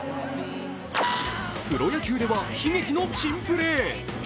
プロ野球では悲劇の珍プレー。